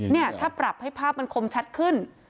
เนี่ยถ้าปรับให้ภาพมันคมชัดขึ้น